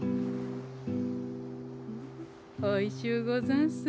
おいしゅうござんす。